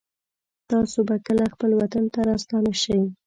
تاسو به کله خپل وطن ته راستانه شئ